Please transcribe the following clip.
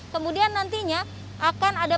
kemudian nantinya akan ada